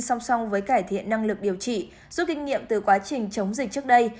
song song với cải thiện năng lực điều trị rút kinh nghiệm từ quá trình chống dịch trước đây